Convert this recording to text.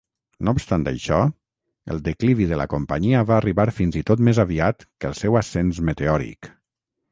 No obstant això, el declivi de la companyia va arribar fins i tot més aviat que el seu ascens meteòric.